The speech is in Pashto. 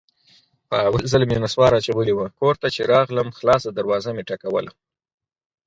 په اول ځل مې نصوار اچولي وو، کور ته چې راغلم خلاصه دروازه مې ټکوله.